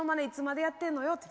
いつまでやってんのよ。